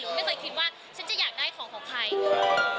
ไม่เคยคิดว่าฉันจะอยากได้ของของใคร